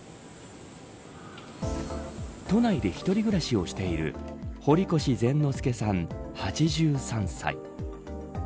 都内で一人暮らしをしている堀越善之助さん８３歳。